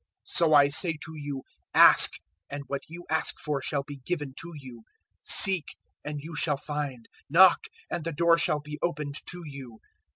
011:009 "So I say to you, `Ask, and what you ask for shall be given to you; seek, and you shall find; knock, and the door shall be opened to you.'